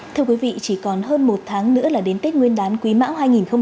thưa quý vị chỉ còn hơn một tháng nữa là đến tết nguyên đán quý mão hai nghìn hai mươi